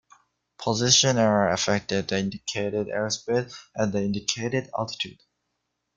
Position error affects the indicated airspeed and the indicated altitude.